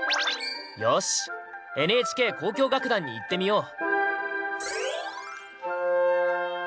よしＮＨＫ交響楽団に行ってみよう。